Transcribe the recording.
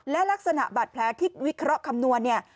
และลักษณะบาดแพ้ที่วิเคราะห์คำนวณ